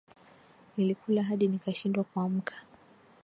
Nilikula hadi nikashindwa kuamka